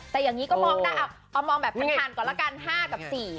แต่อย่างนี้ก็มองได้เอามองแบบผ่านก่อนละกัน๕กับ๔